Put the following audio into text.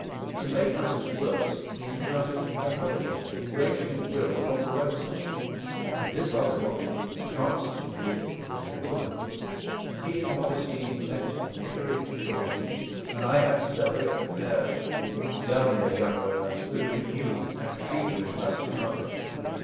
To make matters worse, we encountered another donkey, ranging at will upon the roadside; and this other donkey chanced to be a gentleman. He and Modestine met nickering for joy, and I had to separate the pair and beat down their young romance with a renewed and feverish bastinado.